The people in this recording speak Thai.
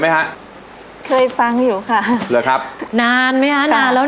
มีความรู้สึกว่ามีความรู้สึกว่ามีความรู้สึกว่ามีความรู้สึกว่า